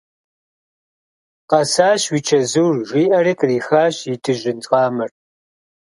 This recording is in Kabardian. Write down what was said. Къэсащ уи чэзур! – жиӏэри кърихащ и дыжьын къамэр.